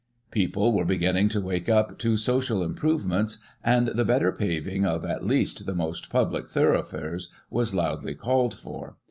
People were beginning to wake up as to social improve ments, and the better paving of, at least, the most public thoroughfares, was loudly called for.